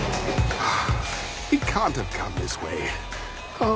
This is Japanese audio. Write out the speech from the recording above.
ああ！